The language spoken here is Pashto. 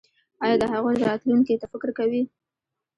ایا د هغوی راتلونکي ته فکر کوئ؟